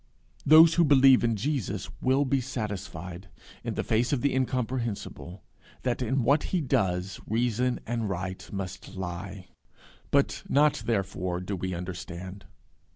Those who believe in Jesus will be satisfied, in the face of the incomprehensible, that in what he does reason and right must lie; but not therefore do we understand.